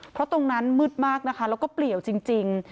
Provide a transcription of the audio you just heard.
เพราะตรงนั้นมืดมากนะคะแล้วก็เปลี่ยวจริง